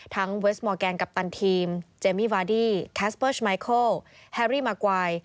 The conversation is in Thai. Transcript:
เวสมอร์แกนกัปตันทีมเจมมี่วาดี้แคสเปอร์สมายเคิลแฮรี่มากวาย